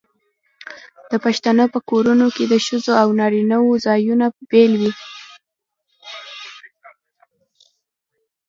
د پښتنو په کورونو کې د ښځو او نارینه وو ځایونه بیل وي.